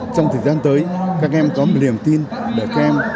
trong thời gian tới các em có một niềm tin để các em